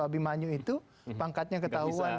abimanyu itu pangkatnya ketahuan